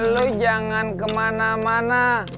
lo jangan kemana mana